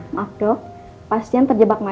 bagi cheeringnya aku harusnya